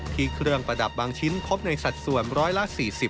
เครื่องประดับบางชิ้นพบในสัดส่วนร้อยละ๔๐